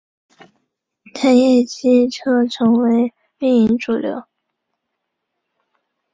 柴液机车成为营运主流。